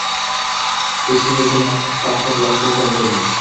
hech kimga seni tahqirlashiga imkon berma.